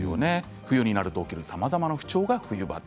冬になるとさまざまな不調が冬バテ。